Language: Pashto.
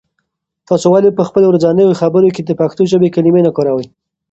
تاسې ولې په خپلو ورځنیو خبرو کې د پښتو ژبې کلمې نه کاروئ؟